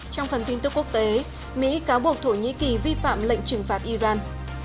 trong phần tin tức quốc tế mỹ cáo buộc thổ nhĩ kỳ vi phạm lệnh trừng phạt iran